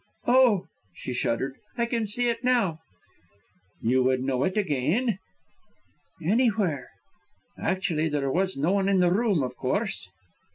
Oh!" she shuddered. "I can see it now." "You would know it again?" "Anywhere!" "Actually, there was no one in the room, of course?"